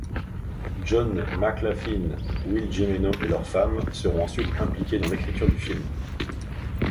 John McLoughlin, Will Jimeno et leurs femmes seront ensuite impliqués dans l'écriture du film.